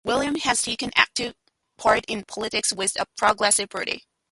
Willum has taken active part in politics with the Progressive Party.